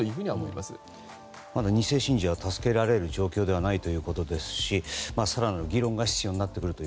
まだ２世信者が助けられる状況ではないということですし更なる議論が必要になってくると。